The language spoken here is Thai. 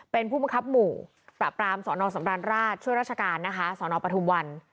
เป็นผู้บัดครัพธ์หมู่ปรับรามสนสำราญราษณ์ช่วยราชการสนปทุมวัน